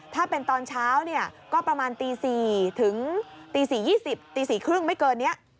ถ้าเป็นตอนเช้าเนี่ยก็ประมาณตี๔ถึงตี๔๒๐ตี๔๓๐ไม่เกินนี้